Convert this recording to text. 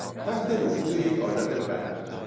تحت نفوذ یک عادت بد